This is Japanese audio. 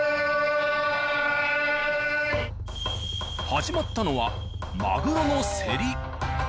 始まったのはマグロの競り。